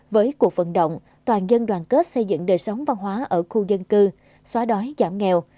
với cuộc vận động toàn dân đoàn kết xây dựng đời sống văn hóa ở khu dân cư xóa đói giảm nghèo